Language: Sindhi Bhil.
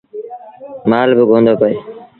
مآل با ڪوندو پيٚئي۔